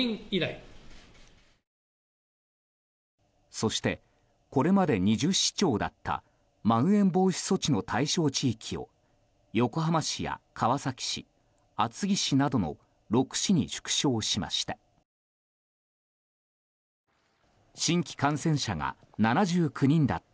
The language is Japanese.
そして、これまで２０市町だったまん延防止措置の対象地域を横浜市や川崎市厚木市などの６市に縮小しました。